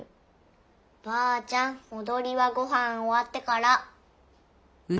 ばあちゃんおどりはごはんおわってから。